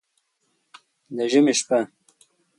د ژمي شپه